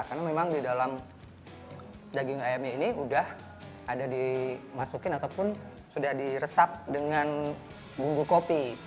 karena memang di dalam daging ayamnya ini sudah ada dimasukin ataupun sudah diresap dengan bumbu kopi